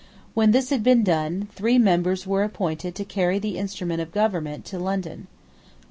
When this had been done, three members were appointed to carry the Instrument of Government to London.